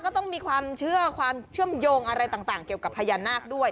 ก็ต้องมีความเชื่อความเชื่อมโยงอะไรต่างเกี่ยวกับพญานาคด้วย